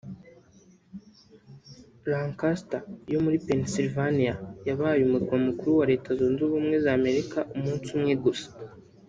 Lancaster yo muri Pennsylvania yabaye umurwa mukuru wa Leta zunze ubumwe za Amerika umunsi umwe gusa